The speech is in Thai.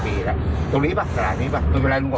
๖๗ปีแล้ว